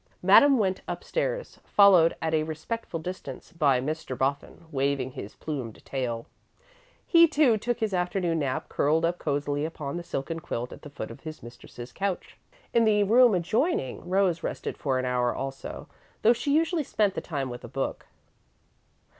Madame went upstairs, followed at a respectful distance by Mr. Boffin, waving his plumed tail. He, too, took his afternoon nap, curled up cosily upon the silken quilt at the foot of his mistress's couch. In the room adjoining, Rose rested for an hour also, though she usually spent the time with a book.